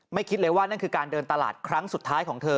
คิดเลยว่านั่นคือการเดินตลาดครั้งสุดท้ายของเธอ